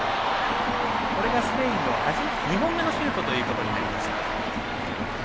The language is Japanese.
スペインの２本目のシュートとなりました。